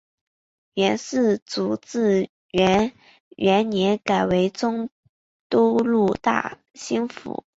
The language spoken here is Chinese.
元世祖至元元年改为中都路大兴府。